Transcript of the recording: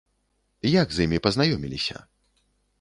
Як з імі пазнаёміліся?